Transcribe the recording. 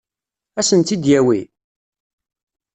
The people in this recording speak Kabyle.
Ad sen-tt-id-yawi?